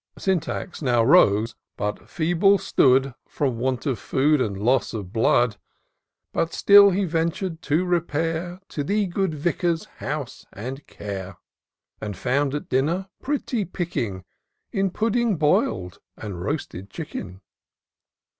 " Syntax now rose, but feeble stood. From want of food and loss of blood ; But still he ventur'd to repair To the good Vicar's house and care ; And found at dinner pretty picMng, In pudding boil'd and roasted chicken.